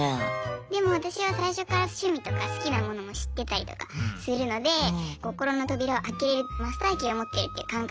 でも私は最初から趣味とか好きなものも知ってたりとかするので心の扉を開けれるマスターキーを持ってるって感覚。